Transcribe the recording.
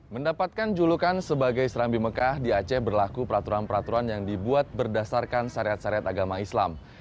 mendapatkan julukan sebagai serambi mekah di aceh berlaku peraturan peraturan yang dibuat berdasarkan syariat syariat agama islam